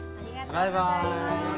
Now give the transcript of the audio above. バイバイ！